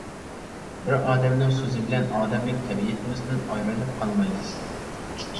بىر ئادەمنىڭ سۆزى بىلەن ئادەملىك تەبىئىتىمىزدىن ئايرىلىپ قالمايمىز.